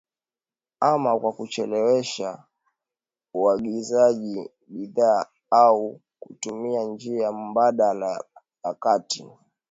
ama kwa kuchelewesha uagizaji bidhaa au kutumia njia mbadala ya kati